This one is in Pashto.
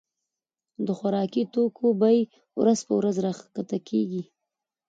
د خوراکي توکو بيي ورځ په ورځ را کښته کيږي.